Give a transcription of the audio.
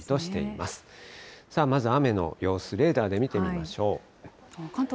まず雨の様子、レーダーで見てみましょう。